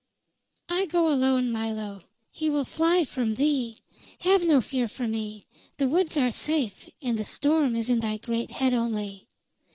"I go alone, Milo. He will fly from thee. Have no fear for me; the woods are safe, and the storm is in thy great head only."